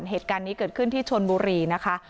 เหตุการณ์นี้เกิดขึ้นที่ชนบุรีนะคะ